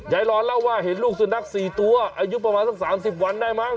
รอนเล่าว่าเห็นลูกสุนัข๔ตัวอายุประมาณสัก๓๐วันได้มั้ง